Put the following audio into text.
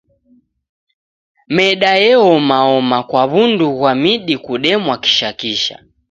Meda eomaoma kwa w'undu ghwa midi kudemwa kishakisha.